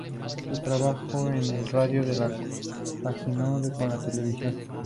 Su trabajo en la radio lo compaginó con la televisión.